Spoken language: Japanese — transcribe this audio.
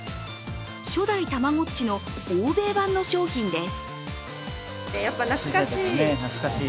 初代たまごっちの欧米版の商品です。